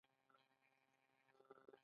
ما ستا خبره ومنله.